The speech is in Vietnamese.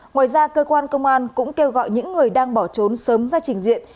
ngoài ra cơ quan công an cũng kêu gọi những người đang bỏ trốn sớm ra trình diện